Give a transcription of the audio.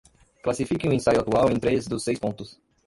Classifique o ensaio atual em três dos seis pontos.